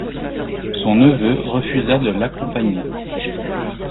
Son neveu refusa de l'accompagner.